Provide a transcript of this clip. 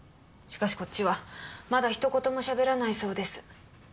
しかしこっちはまだひと言もしゃべらないそうです。